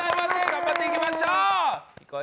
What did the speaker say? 頑張って行きましょう！